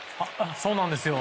そうなんですよ。